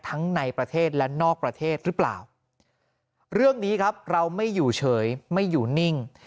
ทั้งในประเทศและนอกประเทศหรือเปล่าเรื่องนี้ครับเราไม่อยู่เฉยไม่อยู่นิ่ง